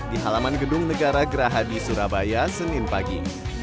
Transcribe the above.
di halaman gedung negara gerahadi surabaya senin pagi